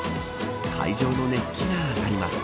会場の熱気が上がります。